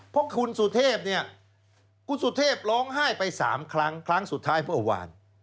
เพราะคุณสุเทพเนี่ยคุณสุเทพร้องไห้ไป๓ครั้งครั้งสุดท้ายเมื่อวาน